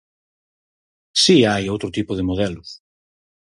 Si hai outro tipo de modelos.